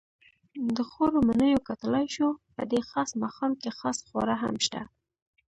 د خوړو منیو کتلای شو؟ په دې خاص ماښام کې خاص خواړه هم شته.